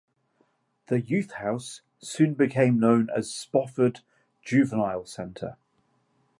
The Youth House soon became known as Spofford Juvenile Center.